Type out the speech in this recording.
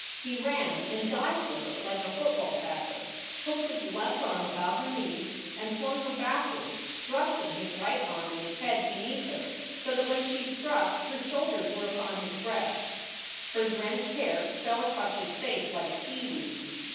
He ran and dived for her like a football tackier, hooked his left arm about her knees and flung her backward, thrusting his right arm and his head be neath her, so that when she struck, her shoulders were upon his breast, her drenched hair fell across his face like seaweed.